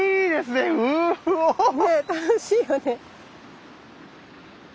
ね楽しいよね。